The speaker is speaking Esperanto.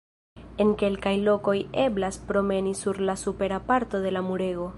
En kelkaj lokoj eblas promeni sur la supera parto de la murego.